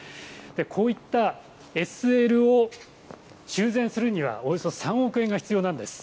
こういったＳＬを修繕するにはおよそ３億円が必要なんです。